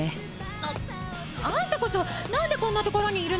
あ！あんたこそ何でこんなところにいるのよ！